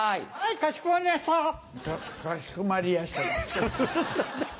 「かしこまりやした」だって。